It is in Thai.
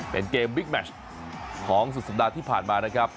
เป็นเกมบิ๊กแมชของสุดสัปดาห์ที่ผ่านมานะครับ